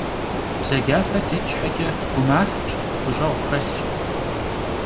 Бзаджафэ тет щхьэкӏэ, гумахэщ, гущӏэгъу хьэлъщ.